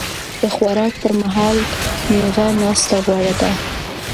د خوراک پر مهال نېغه ناسته غوره ده.